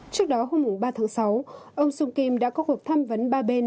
trước đó hôm ba tháng sáu ông sung kim đã có cuộc tham vấn ba bên